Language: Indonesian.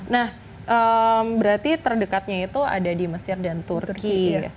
nah berarti terdekatnya itu ada di mesir dan turki